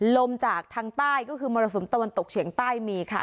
ลมจากทางใต้ก็คือมรสุมตะวันตกเฉียงใต้มีค่ะ